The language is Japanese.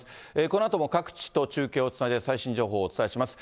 このあとも各地と中継をつないで、最新情報をお伝えします。